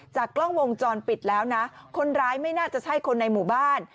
กล้องวงจรปิดแล้วนะคนร้ายไม่น่าจะใช่คนในหมู่บ้าน